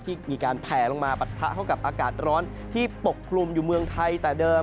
ที่มีการแผลลงมาปะทะเข้ากับอากาศร้อนที่ปกคลุมอยู่เมืองไทยแต่เดิม